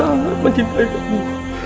aku sangat mencintai kamu